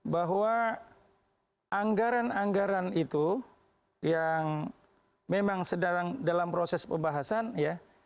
bahwa anggaran anggaran itu yang memang sedang dalam proses pembahasan ya